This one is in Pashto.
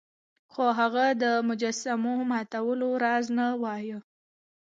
خو هغه د مجسمو ماتولو راز نه وایه.